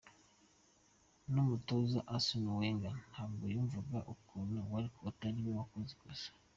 N'umutoza Arsene Wenger ntabwo yumvaga ukuntu Walcott ariwe wakoze ikosa.